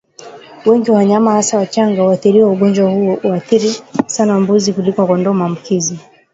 Wengi wa wanyama hasa wachanga huathiriwa Ugonjwa huu huathiri sana mbuzi kuliko kondoo Maambukizi